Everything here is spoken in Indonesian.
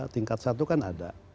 tingkat satu kan ada